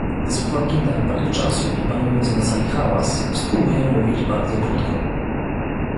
Z uwagi na brak czasu i panujący na sali hałas spróbuję mówić bardzo krótko